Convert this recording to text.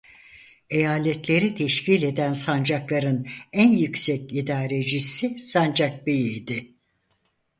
Eyaletleri teşkil eden sancakların en yüksek idarecisi sancak beyi idi.